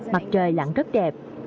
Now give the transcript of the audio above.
mặt trời lặn rất đẹp